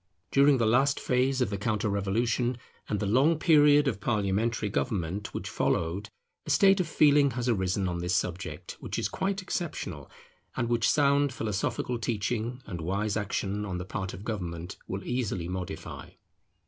During the last phase of the counter revolution, and the long period of parliamentary government which followed, a state of feeling has arisen on this subject, which is quite exceptional, and which sound philosophical teaching, and wise action on the part of government, will easily modify.